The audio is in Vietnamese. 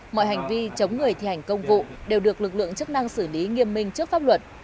mọi hành vi chống người thi hành công vụ đều được lực lượng chức năng xử lý nghiêm minh trước pháp luật